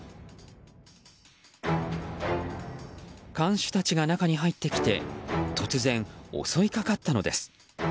看守たちが中に入ってきて突然、襲いかかったのです。